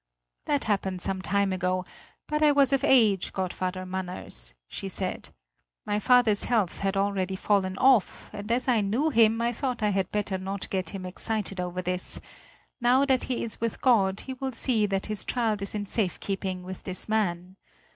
"That happened some time ago; but I was of age, godfather Manners," she said; "my father's health had already fallen off, and as I knew him, I thought I had better not get him excited over this; now that he is with God, he will see that his child is in safekeeping with this man.